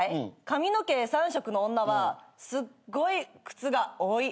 髪の毛３色の女はすっごい靴が多い。